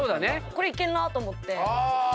これいけんなと思って。